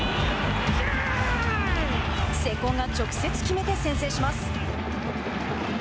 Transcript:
瀬古が直接決めて先制します。